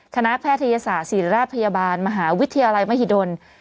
แพทยศาสตร์ศิริราชพยาบาลมหาวิทยาลัยมหิดล